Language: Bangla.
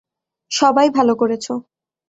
সবাই ভালো করেছো।